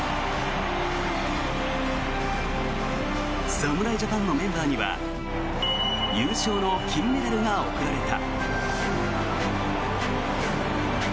侍ジャパンのメンバーには優勝の金メダルが贈られた。